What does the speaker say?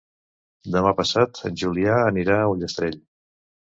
Demà passat en Julià anirà a Ullastrell.